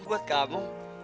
loh buat kamu